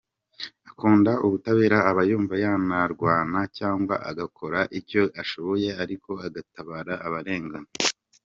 Akunda ubutabera aba yumva yanarwana cyangwa agakora icyo ashoboye ariko agatabara abarengana.